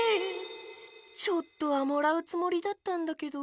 ちょっとはもらうつもりだったんだけど。